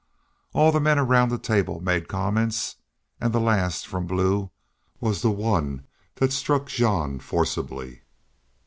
All the men around the table made comments, and the last, from Blue, was the one that struck Jean forcibly.